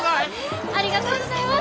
ありがとうございます。